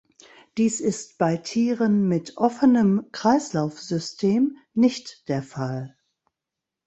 Dies ist bei Tieren mit offenem Kreislaufsystem nicht der Fall.